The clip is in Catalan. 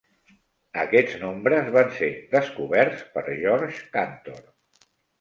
Aquests nombres van ser descoberts per George Cantor.